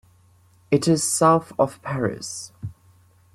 It is south of Paris.